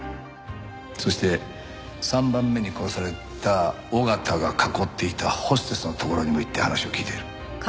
そして３番目に殺された緒方が囲っていたホステスのところにも行って話を聞いている。